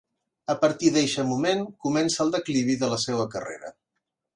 A partir d'eixe moment comença el declivi de la seua carrera.